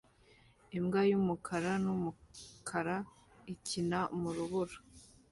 Imbwa yumukara numukara ikina mu rubura